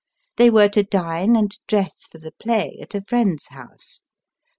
They were to dine and dress for the play at a friend's house.